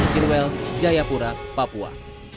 jirwel jayapura papua